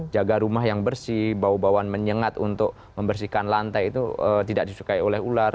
jaga rumah yang bersih bau bauan menyengat untuk membersihkan lantai itu tidak disukai oleh ular